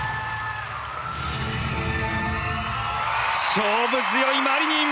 勝負強いマリニン！